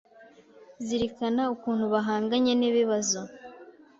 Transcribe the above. Zirikana ukuntu bahanganye n’ibibazo